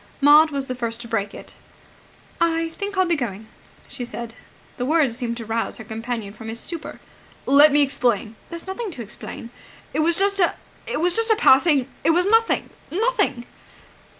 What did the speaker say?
Maud was the first to break it. "I think I'll be going," she said. The words seemed to rouse her companion from his stupor. "Let me explain!" "There's nothing to explain." "It was just a ... it was just a passing ... It was nothing ... nothing."